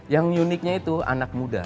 yang uniknya itu anak muda